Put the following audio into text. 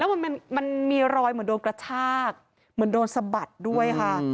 มันมีรอยเหมือนโดนกระชากเหมือนโดนสะบัดด้วยค่ะ